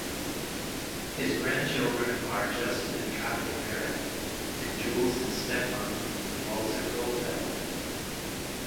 His grandchildren are Joseph and Katya Barrett, and Jules and Stefan Walzer-Goldfeld.